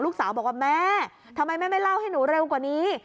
ลูกสาวบอกว่าแม่ทำไมแม่ไม่เล่าให้หนูเร็วกว่านี้